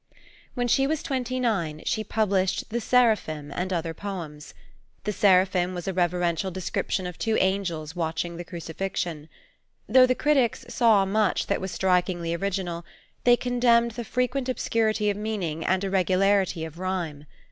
When she was twenty nine, she published The Seraphim and Other Poems. The Seraphim was a reverential description of two angels watching the Crucifixion. Though the critics saw much that was strikingly original, they condemned the frequent obscurity of meaning and irregularity of rhyme.